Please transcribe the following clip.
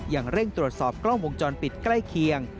ยังเร่งตรวจสอบกล้องวงจรปิดใกล้เคียง